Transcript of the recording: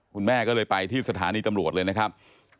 คุณแม่ก็เลยไปที่สถานีตำรวจเลยนะครับ